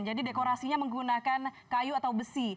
jadi dekorasinya menggunakan kayu atau besi